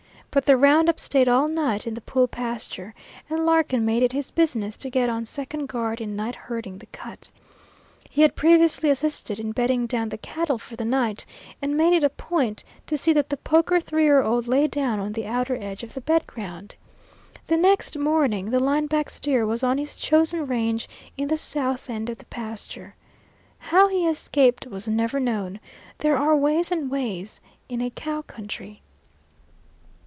But the round up stayed all night in the Pool pasture, and Larkin made it his business to get on second guard in night herding the cut. He had previously assisted in bedding down the cattle for the night, and made it a point to see that the poker three year old lay down on the outer edge of the bed ground. The next morning the line back steer was on his chosen range in the south end of the pasture. How he escaped was never known; there are ways and ways in a cow country.